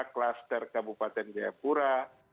klaster kabupaten jayapura